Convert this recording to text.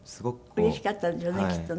うれしかったんでしょうねきっとね。